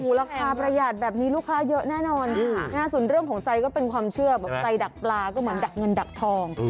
ราคาประหยาดแบบนี้ลูกค้าเยอะแน่นอนค่ะส่วนเรื่องของใจก็เป็นความเชื่อบอกใจดักปลาก็เหมือนดักเงินดักทอง